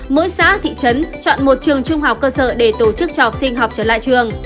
mỗi xã thị trấn chọn một trường trung học cơ sở để tổ chức cho học sinh học trở lại trường